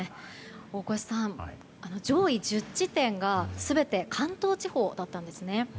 大越さん、上位１０地点が全て関東地方だったんですね。